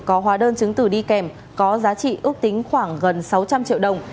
có hóa đơn chứng tử đi kèm có giá trị ước tính khoảng gần sáu trăm linh triệu đồng